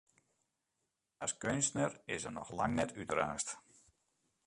As keunstner is er noch lang net útraasd.